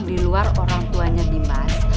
diluar orang tuanya dimas